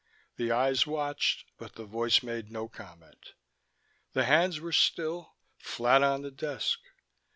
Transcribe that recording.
The eyes watched, but the voice made no comment. The hands were still, flat on the desk.